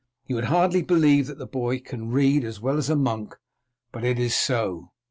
You would hardly believe that the boy can read as well as a monk, but it is so.